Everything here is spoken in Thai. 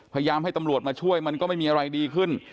พยายามให้ตำรวจมาช่วยมันก็ไม่มีอะไรดีขึ้น